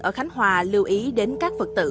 ở khánh hòa lưu ý đến các phật tử